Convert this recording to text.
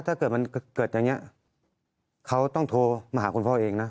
ถ้าเกิดมันเกิดอย่างนี้เขาต้องโทรมาหาคุณพ่อเองนะ